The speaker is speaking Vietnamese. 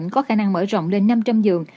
có khả năng mở rộng lên năm trăm linh giường